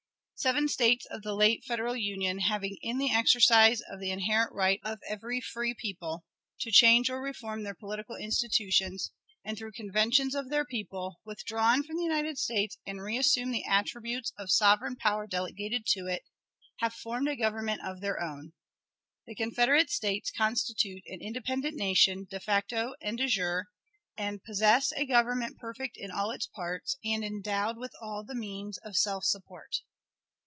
Seven states of the late Federal Union, having in the exercise of the inherent right of every free people to change or reform their political institutions, and through conventions of their people, withdrawn from the United States and reassumed the attributes of sovereign power delegated to it, have formed a government of their own. The Confederate States constitute an independent nation, de facto and de jure, and possess a government perfect in all its parts, and endowed with all the means of self support.